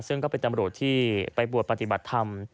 ซึ่งก็เป็นตำรวจที่ไปบวชปฏิบัติธรรม